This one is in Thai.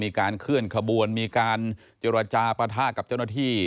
มีการเคลื่อนขบวนมีการเจรจาปะทะกับเจ้าหน้าที่